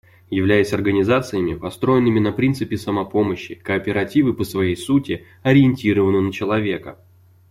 Являясь организациями, построенными на принципе самопомощи, кооперативы по своей сути ориентированы на человека.